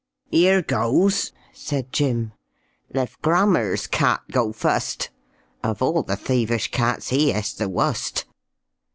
"Heere goes," said Jim; "lev Grammer's cat go fust (Of all the thievish cats, he es the wust).